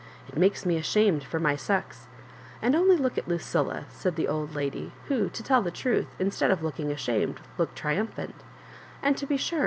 It makes me ashamed for my sex. And only look at Lucilla!" said the old lady, who, to tell the tmth, instead of looking ashamed, looked triumphant And„ to be sure.